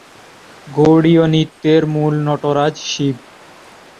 গৌড়ীয় নৃত্যের মূল নটরাজ শিব।